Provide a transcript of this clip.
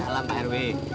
waalaikumsalam pak rw